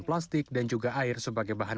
plastik dan juga air sebagai bahan